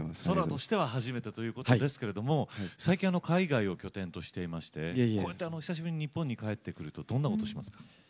ソロとしては初めてということですけれども最近海外を拠点としていましてこうやって久しぶりに日本に帰ってくるとどんなことしますか？